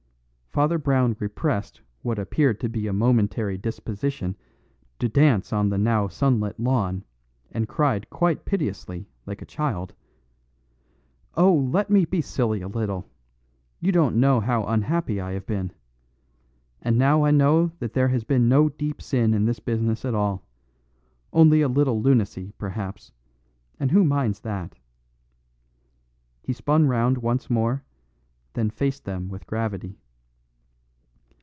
Father Brown repressed what appeared to be a momentary disposition to dance on the now sunlit lawn and cried quite piteously, like a child, "Oh, let me be silly a little. You don't know how unhappy I have been. And now I know that there has been no deep sin in this business at all. Only a little lunacy, perhaps and who minds that?" He spun round once more, then faced them with gravity.